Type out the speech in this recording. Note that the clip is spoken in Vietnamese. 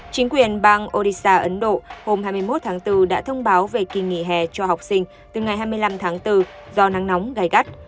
chính quyền bang odisha ấn độ hôm hai mươi một tháng bốn đã thông báo về kỳ nghỉ hè cho học sinh từ ngày hai mươi năm tháng bốn do nắng nóng gai gắt